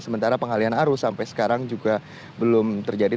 sementara pengalian arus sampai sekarang juga belum terjadi